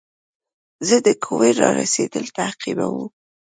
زه د کوریر رارسېدل تعقیبوم.